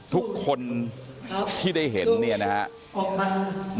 ทุกคนที่ได้เห็นเนี่ยนะครับ